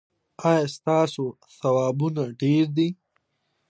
ایا ستاسو ثوابونه ډیر دي؟